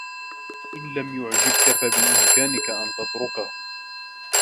إن لم يعجبك فبإمكانك أن تتركه.